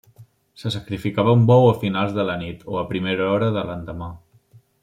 Se sacrificava un bou a finals de la nit o a primera hora de l'endemà.